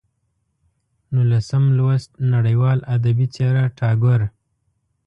نولسم لوست: نړیواله ادبي څېره ټاګور